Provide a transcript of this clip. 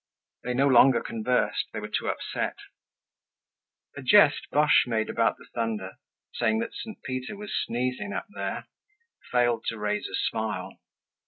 They no longer conversed, they were too upset. A jest Boche made about the thunder, saying that St. Peter was sneezing up there, failed to raise a smile.